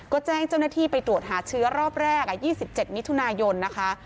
ก็แจ้งเจ้าหน้าที่ไปตรวจหาเชื้อรอบแรก๒๗มิถุนายนนะคะ